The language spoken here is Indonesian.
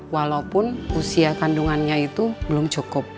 walaupun usia kandungannya itu belum cukup